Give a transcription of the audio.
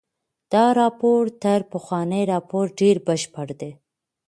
دا راپور تر پخواني راپور ډېر بشپړ دی.